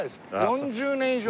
４０年以上前。